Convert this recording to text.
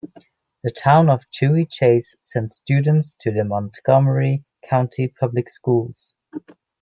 The town of Chevy Chase sends students to the Montgomery County Public Schools.